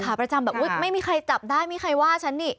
ประจำแบบอุ๊ยไม่มีใครจับได้ไม่มีใครว่าฉันนี่